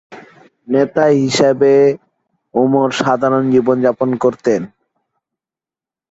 নেতা হিসেবে উমর সাধারণ জীবনযাপন করতেন।